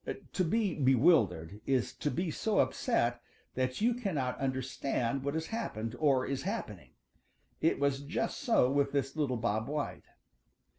To be bewildered is to be so upset that you cannot understand what has happened or is happening. It was just so with this little Bob White.